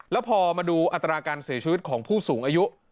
แล้วพอมาดูอัตราการเสียชีวิตของผู้สูงอายุ